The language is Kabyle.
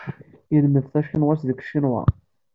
Yelmed tacinwat deg Ccinwa.